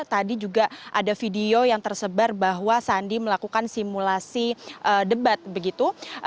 tadi juga ada video yang tersebar bahwa sandi melakukan simulasi debat begitu